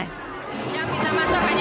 yang bisa masuk hanya pakai gelangannya